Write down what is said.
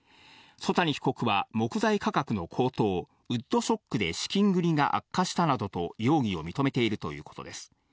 曽谷被告は、木材価格の高騰、ウッドショックで資金繰りが悪化したなどと、容疑を認めているということです。